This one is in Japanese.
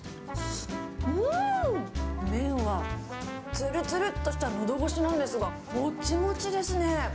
うーん、麺は、つるつるっとしたのど越しなんですが、もちもちですね。